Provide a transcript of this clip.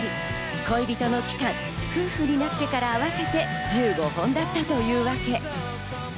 恋人の期間、夫婦になってから合わせて１５本だったというわけ。